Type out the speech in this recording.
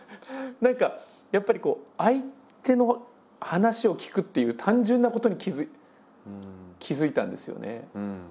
何かやっぱりこう相手の話を聞くっていう単純なことに気付いたんですよね。